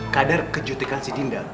kadar kejutikan si dinda